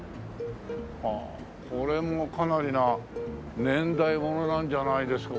これもかなりな年代物なんじゃないですか？